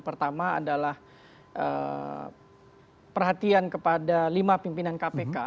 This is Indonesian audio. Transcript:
pertama adalah perhatian kepada lima pimpinan kpk